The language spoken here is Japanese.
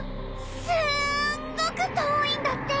すんごくとおいんだって。